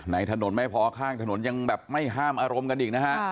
ถนนไม่พอข้างถนนยังแบบไม่ห้ามอารมณ์กันอีกนะฮะ